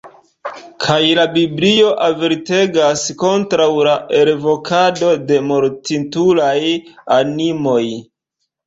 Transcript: Kaj la Biblio avertegas kontraŭ la elvokado de mortintulaj animoj!